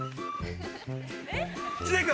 ◆知念君？